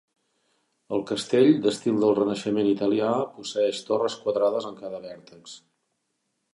El castell, d'estil del Renaixement italià, posseeix torres quadrades en cada vèrtex.